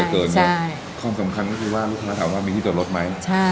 เกินเกินใช่ความสำคัญก็คือว่าลูกค้าถามว่ามีที่จอดรถไหมใช่